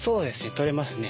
取れますね。